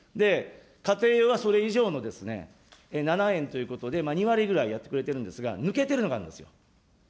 家庭用がそれ以上の７円ということで、２割ぐらいやってくれているんですが、抜けてるのがあるんですよ。